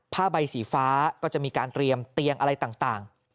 ผ้าใบสีฟ้าก็จะมีการเตรียมเตียงอะไรต่าง